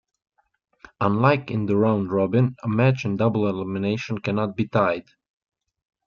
Unlike in the round-robin, a match in double-elimination cannot be tied.